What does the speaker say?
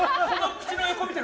口の横見て！